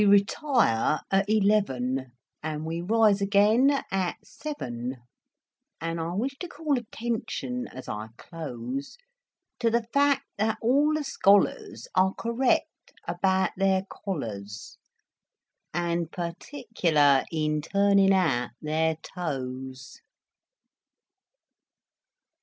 We retire at eleven. And we rise again at seven; And I wish to call attention, as I close, To the fact that all the scholars Are correct about their collars. And particular in turning out their toes.